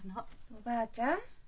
おばあちゃん。